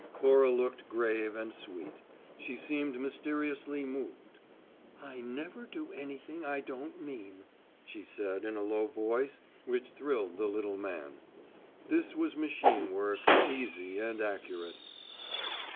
Cora looked grave and sweet; she seemed mysteriously moved. "I never do anything I don't mean," she said in a low voice which thrilled the little man. This was machine work, easy and accurate.